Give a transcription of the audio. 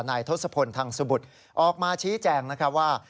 นายทศพลทางสมบุตรออกมาชี้แจ้งว่า